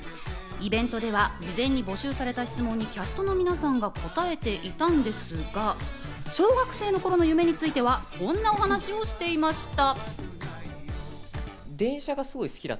イベントでは事前に募集された質問にキャストの皆さんが答えていたんですが、小学生の頃の夢については、こんなお話をしていました。